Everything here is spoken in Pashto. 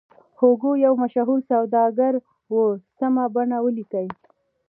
هوګو یو مشهور سوداګر و سمه بڼه ولیکئ.